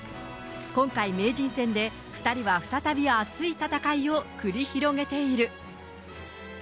今回、名人戦で、２人は再び熱い戦いを繰り広げている。